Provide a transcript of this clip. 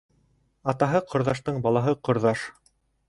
Атаһы ҡорҙаштың балаһы ҡорҙаш.